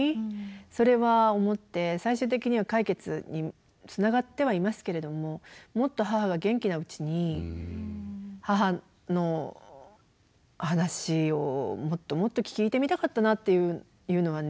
それは思って最終的には解決につながってはいますけれどももっと母が元気なうちに母の話をもっともっと聞いてみたかったなっていうのはね